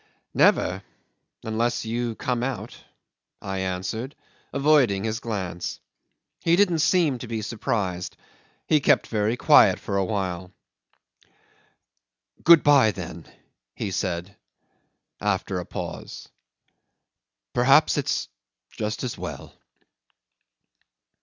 '"Never unless you come out," I answered, avoiding his glance. He didn't seem to be surprised; he kept very quiet for a while. '"Good bye, then," he said, after a pause. "Perhaps it's just as well."